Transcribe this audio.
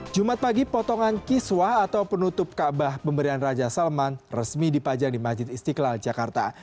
jumat pagi potongan kiswah atau penutup kaabah pemberian raja salman resmi dipajang di majid istiqlal jakarta